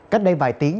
cách đây vài tiếng